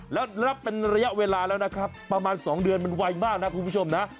แล้วนับเป็นระยะเวลาแล้วนะครับประมาณ๒เดือนมันไวมากนะคุณผู้ชมนะ